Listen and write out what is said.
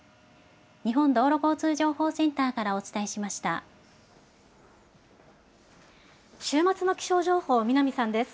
日本道路交通情報センターからお週末の気象情報、南さんです。